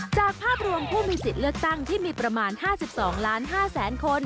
จากภาพรวมผู้มีสิทธิ์เลือกตั้งที่มีประมาณ๕๒ล้าน๕แสนคน